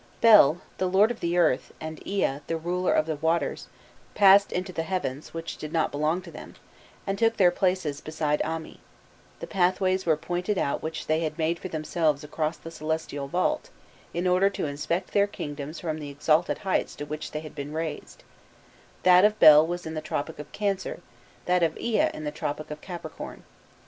Bel, the lord of the earth, and Ea, the ruler of the waters, passed info the heavens, which did not belong to them, and took their places beside Ami: the pathways were pointed out which they had made for themselves across the celestial vault, in order to inspect their kingdoms from the exalted heights to which they had been raised; that of Bel was in the Tropic of Cancer, that of Ea in the Tropic of Capricorn.